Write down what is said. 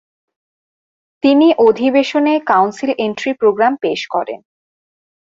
তিনি অধিবেশনে council entry programme পেশ করেন।